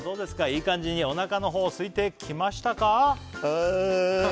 いい感じにおなかのほうすいてきましたか？